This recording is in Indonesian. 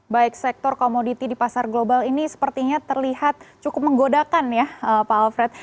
baik sektor komoditi di pasar global ini sepertinya terlihat cukup menggodakan ya pak alfred